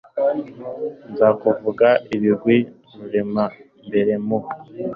nzakuvuga ibigwi rurema, mpere mu